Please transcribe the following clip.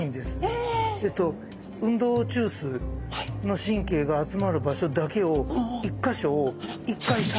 運動中枢の神経が集まる場所だけを一か所を一回刺す。